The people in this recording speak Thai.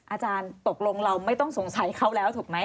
อาจารย์ตกลงเราไม่ต้องสงสัยเขาแล้วถูกไหม